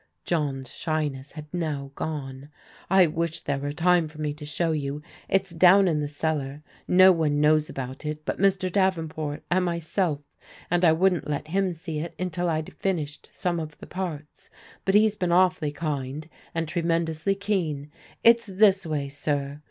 John's shyness had now gone. " I wish there were time for me to show you. It's down in the cellar. No one knows about it but Mr. Davenport and myself, and I wouldn't let him see it tmtil I'd finished some of the parts. But he's been awfully kind, and tremendously keen. It's this way, sir.